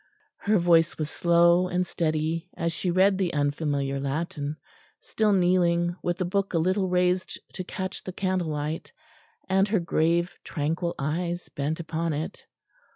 '" Her voice was slow and steady as she read the unfamiliar Latin, still kneeling, with the book a little raised to catch the candlelight, and her grave tranquil eyes bent upon it.